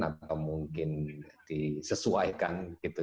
atau mungkin disesuaikan